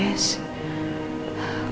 terima kasih tante